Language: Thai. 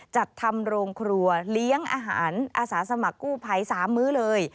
จัดทำโรงครัวเลี้ยงอาหารอสาสมกู้ไพรสามมื้อเลย